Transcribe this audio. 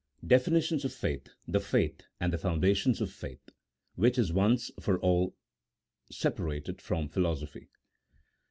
DEFINITIONS OF FAITH, THE FAITH, AND THE FOUNDATIONS OF FAITH, WHICH IS ONCE FOR ALL SEPARATED FROM PHILOSOPHY.